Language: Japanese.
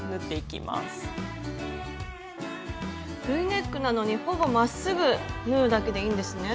Ｖネックなのにほぼまっすぐ縫うだけでいいんですね。